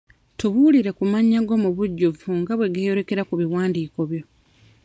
Tubuulire ku mannya go mu bujjuvu nga bwe geeyolerekera ku biwandiiko byo.